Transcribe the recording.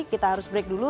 kita harus break dulu